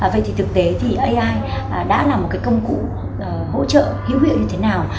vậy thì thực tế thì ai đã là một cái công cụ hỗ trợ hữu hiệu như thế nào